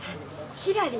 ひらり！